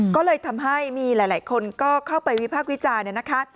ก็เลยทำให้มีหลายคนก็เข้าไปวิพากษ์วิจารณ์เนี่ยนะคะ